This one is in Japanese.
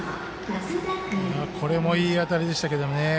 これもいい当たりでしたけどね。